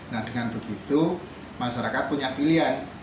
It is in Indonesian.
nah dengan begitu masyarakat punya pilihan